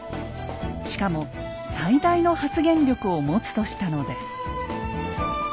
しかも最大の発言力を持つとしたのです。